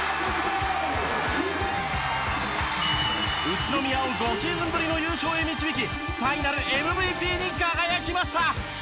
宇都宮を５シーズンぶりの優勝へ導きファイナルＭＶＰに輝きました！